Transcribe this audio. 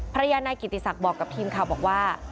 ภรรยานายกิติศักดิ์บอกกับทีมข่าวบอกว่า